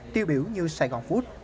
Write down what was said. tiêu biểu như saigon food